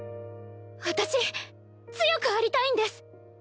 私強くありたいんです！